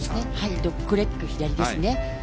ドッグレッグ左ですね。